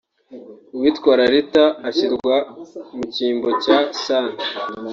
uwitwa Lalita ashyirwa mu cyimbo cya Sun